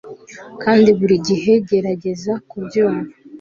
kandi buri gihe gerageza kubyumva